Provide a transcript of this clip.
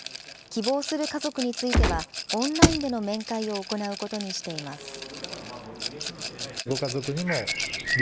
希望する家族については、オンラインでの面会を行うことにしています。